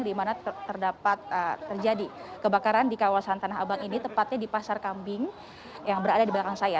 di mana terdapat terjadi kebakaran di kawasan tanah abang ini tepatnya di pasar kambing yang berada di belakang saya